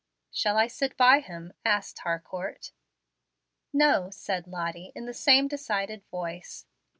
"Shall I sit by him?" asked Harcourt. "No," said Lottie, in the same decided voice.